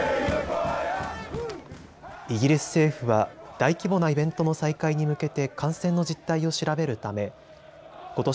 イギリス政府は大規模なイベントの再開に向けて感染の実態を調べるためことし